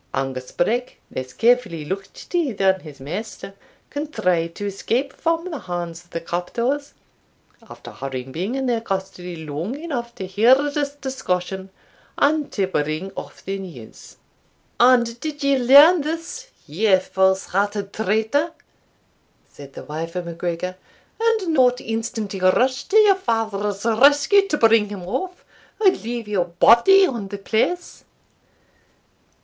Angus Breck, less carefully looked to than his master, contrived to escape from the hands of the captors, after having been in their custody long enough to hear this discussion, and to bring off the news." "And did you learn this, you false hearted traitor," said the wife of MacGregor, "and not instantly rush to your father's rescue, to bring him off, or leave your body on the place?"